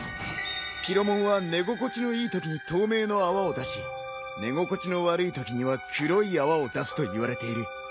ピロモンは寝心地のいいときに透明の泡を出し寝心地の悪いときには黒い泡を出すといわれている。